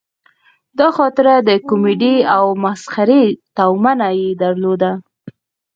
دا خاطره د کومیډي او مسخرې تومنه یې درلوده.